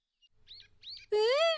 うん！